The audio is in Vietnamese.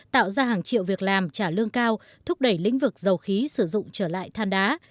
tạo ra hàng triệu việc làm trả lương cao thúc đẩy lĩnh vực dầu khí sử dụng trở lại than đá